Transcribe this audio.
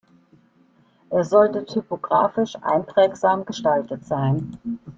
Er sollte typographisch einprägsam gestaltet sein.